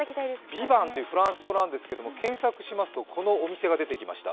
ｖｉｖａｎｔというフランス語なんですけど検索しますと、このお店が出てきました。